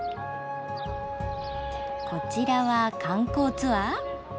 こちらは観光ツアー？